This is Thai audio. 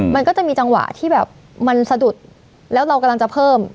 มันก็จะมีจังหวะที่แบบมันสะดุดแล้วเรากำลังจะเพิ่ม